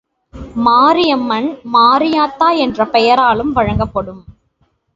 மாரியம்மன் மாரியாத்தா என்ற பெயராலும் வழங்கப்படும்.